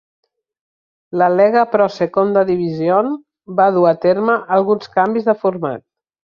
La Lega Pro Seconda Divisione va dur a terme alguns canvis de format.